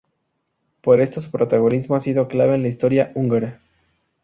Por esto su protagonismo ha sido clave en la historia húngara.